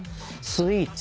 スイーツ。